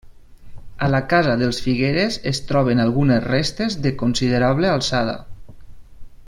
A la casa dels Figueres es troben algunes restes de considerable alçada.